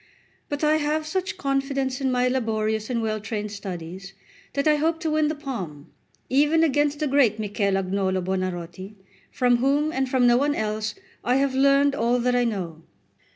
But I have such confidence in my laborious and well trained studies, that I hope to win the palm, even against the great Michel Agnolo Buonarroti, from whom and from no one else I have learned all that I know.